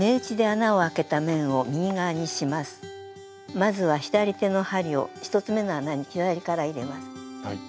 まずは左手の針を１つめの穴に左から入れます。